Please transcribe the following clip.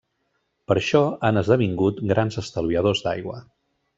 Per això han esdevingut grans estalviadors d'aigua.